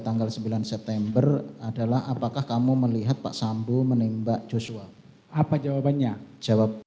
tanggal sembilan september adalah apakah kamu melihat pak sambo menembak joshua apa jawabannya jawab